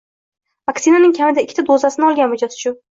Vaksinaning kamida ikkita dozasini olgan mijoz shu